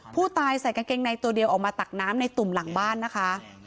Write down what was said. ผู้ตายใส่กางเกงในตัวเดียวออกมาตักน้ำในตุ่มหลังบ้านนะคะ